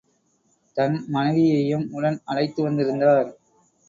தன் மனைவியையும் உடன் அழைத்து வந்திருந்தார்.